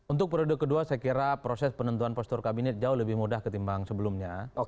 untuk periode kedua saya kira proses penentuan postur kabinet jauh lebih mudah ketimbang sebelumnya